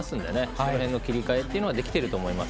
その辺の切り替えっていうのもできていると思います。